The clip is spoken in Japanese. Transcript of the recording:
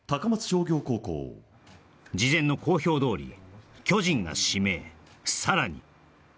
商業高校事前の公表どおり巨人が指名さらに